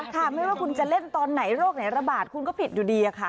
ไม่ว่าคุณจะเล่นตอนไหนโรคไหนระบาดคุณก็ผิดอยู่ดีค่ะ